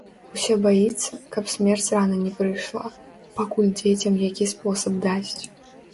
Усё баіцца, каб смерць рана не прыйшла, пакуль дзецям які спосаб дасць.